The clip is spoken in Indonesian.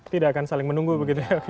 tidak akan saling menunggu begitu ya